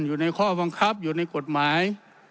อยู่ในข้อบังคับอยู่ในกฎหมาย